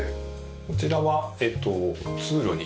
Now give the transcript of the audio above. こちらは通路に。